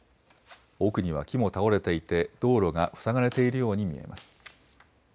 奥には木も倒れていて、道路が塞がれているように見えます。